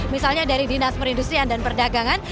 misalnya dari dinas perindustrian dan perdagangan